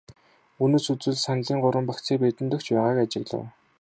Үүнээс үзвэл саналын гурван багцыг бидэнд өгч байгааг ажиглав.